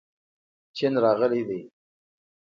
چین راغلی دی.